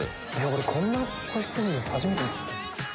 こんな子羊初めて見た。